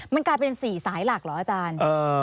มันกลายเป็น๔สายหลักเหรออาจารย์